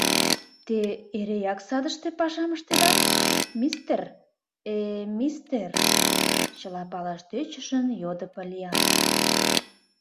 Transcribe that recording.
— Те эреак садыште пашам ыштеда мо, мистер... э... мистер? — чыла палаш тӧчышын йодо Поллианна.